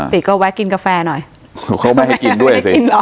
ติกเขาไว้กินกาแฟหน่อยเขาไม่ให้กินด้วยสิไม่ให้กินหรอ